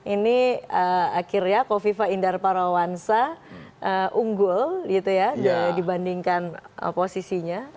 ini akhirnya kofifa indar parawansa unggul gitu ya dibandingkan posisinya